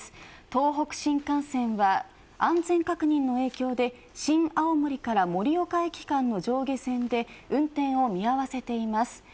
東北新幹線は安全確認の影響で新青森から盛岡駅の上下線で運転を見合わせています。